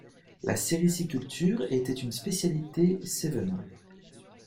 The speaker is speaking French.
La sériciculture était une spécialité Cévenole.